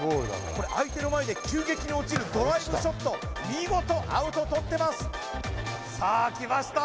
これ相手の前で急激に落ちるドライブショット見事アウトとってますさあきました